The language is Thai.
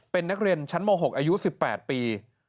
เป็นนักเรียนชั้นม๖อายุ๑๘ปี